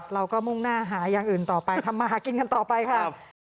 มุ่งหน้าหาอย่างอื่นต่อไปทำมาหากินกันต่อไปค่ะ